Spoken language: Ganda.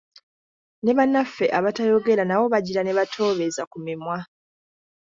Ne bannaffe abatayogera nabo bagira ne batoobeza ku mimwa.